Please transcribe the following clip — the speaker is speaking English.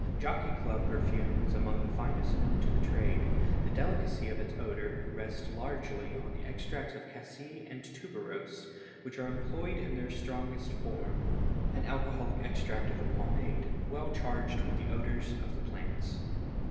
Jockey Club perfume is among the finest known to the trade; the delicacy of its odor rests largely on the extracts of cassie and tuberose which are employed in their strongest form—an alcoholic extract of a pomade well charged with the odors of the plants.